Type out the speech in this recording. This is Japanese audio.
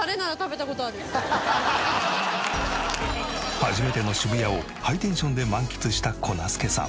初めての渋谷をハイテンションで満喫した粉すけさん。